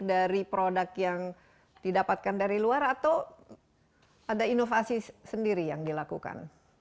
dari produk yang didapatkan dari luar atau ada inovasi sendiri yang dilakukan